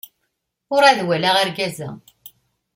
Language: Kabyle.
Urɛad walaɣ argaz-a.